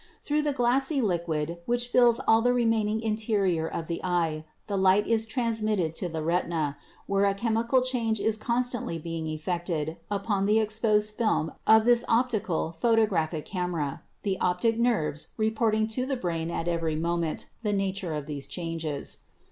Through the glassy liquid which fills all the remaining interior of the eye the light is transmitted to the retina, where a chemical change is constantly being effected upon the exposed film of this optical photographic camera, the optic nerves reporting to the brain at every moment the nature of these changes.